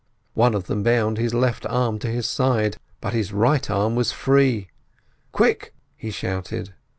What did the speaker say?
One of them bound his left arm to his side, but his right arm was free. "Quick!" he shouted.